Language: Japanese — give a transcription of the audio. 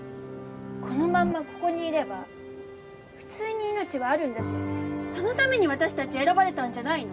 このまんまここにいれば普通に命はあるんだしそのために私たち選ばれたんじゃないの？